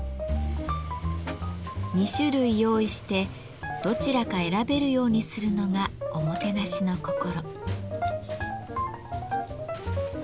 ２種類用意してどちらか選べるようにするのがおもてなしの心。